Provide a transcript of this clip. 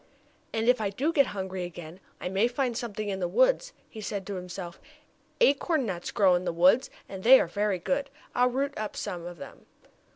"And if I do get hungry again, I may find something in the woods," he said to himself. "Acorn nuts grow in the woods, and they are very good. I'll root up some of them."